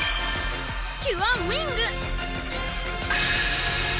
キュアウィング！